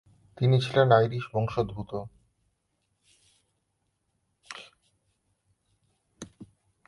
তিনি ছিলেন আইরিশ বংশোদ্ভূত।